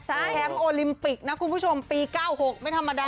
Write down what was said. แชมป์โอลิมปิกนะคุณผู้ชมปี๙๖ไม่ธรรมดา